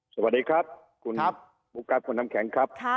สวัสดีครับคุณบุ๊คครับคุณน้ำแข็งครับ